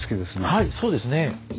はいそうですね。